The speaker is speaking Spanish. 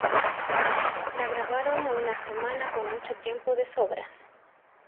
Lo grabaron en una semana con mucho tiempo de sobra.